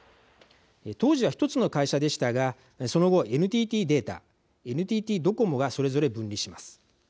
当時は、１つの会社でしたがその後、ＮＴＴデータＮＴＴドコモがそれぞれ分離します。